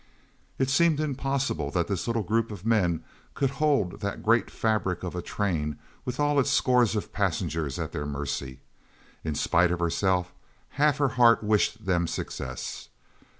It seemed impossible that this little group of men could hold the great fabric of a train with all its scores of passengers at their mercy. In spite of herself, half her heart wished them success.